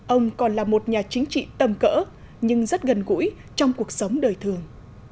ông còn là một nhà chính trị tầm cỡ nhưng rất gần gũi trong cuộc sống đời thường